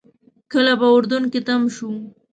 کله به اردن کې تم شو.